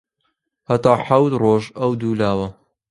هەتا حەوت ڕۆژ ئەو دوو لاوە